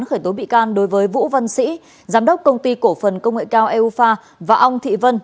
khởi tố bị can đối với vũ văn sĩ giám đốc công ty cổ phần công nghệ cao eua và ông thị vân